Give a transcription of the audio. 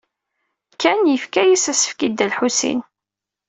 Ken yefka-as asefk i Dda Lḥusin.